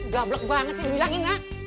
gablek banget sih dibilangin ya